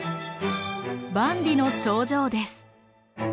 万里の長城です。